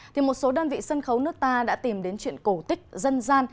thì một số đơn vị sân khấu nước ta đã tìm đến chuyện cổ tích dân gian